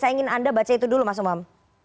saya ingin anda baca itu dulu mas umam